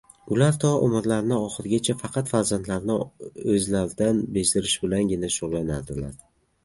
ular to umrlarining oxirigacha faqat farzandlarini o‘zlaridan bezdirish bilangina shug‘ullanadilar.